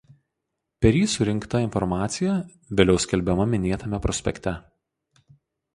Per jį surinkta informacija vėliau skelbiama minėtame prospekte.